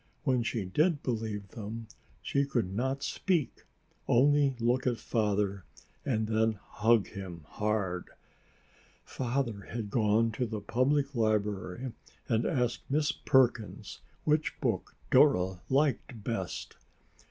When she did believe them, she could not speak, only look at Father and then hug him hard. Father had gone to the Public Library and asked Miss Perkins which book Dora liked best.